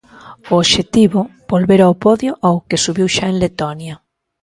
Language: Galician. O obxectivo, volver ao podio ao que subiu xa en Letonia.